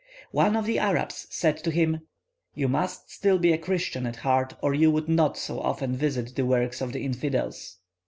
One of the Arabs said to him, "You must still be a Christian at heart, or you would not so often visit the works of the infidels."